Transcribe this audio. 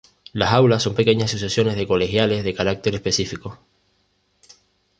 Las Aulas son pequeñas asociaciones de colegiales de carácter específico.